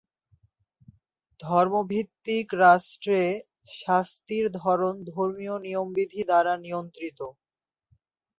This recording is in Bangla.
ধর্মভিত্তিক রাষ্ট্রে শাস্তির ধরন ধর্মীয় নিয়মনিধি দ্বারা নিয়ন্ত্রিত।